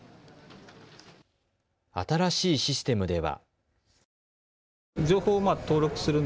新しいシステムでは。